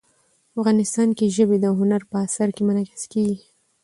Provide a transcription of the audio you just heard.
افغانستان کې ژبې د هنر په اثار کې منعکس کېږي.